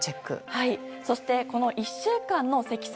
そして、この１週間の積算